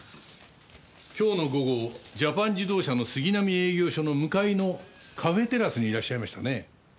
今日の午後ジャパン自動車の杉並営業所の向かいのカフェテラスにいらっしゃいましたね？